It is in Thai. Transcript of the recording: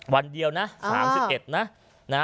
วันเดียวนะ๓๑นะ